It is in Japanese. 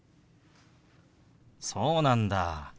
そうなんだ。